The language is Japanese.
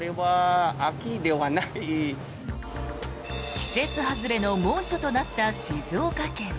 季節外れの猛暑となった静岡県。